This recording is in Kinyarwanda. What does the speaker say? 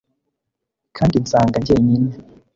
Kandi nsanga njyenyine